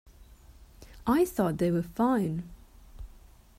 I thought they were fine.